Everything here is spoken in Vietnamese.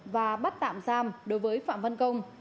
và bắt tạm giam đối với phạm văn công